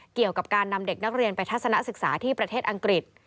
เกี่ยวกับการนำเด็กนักเรียนไปทัศนะศึกษาที่ประเทศอังกฤษ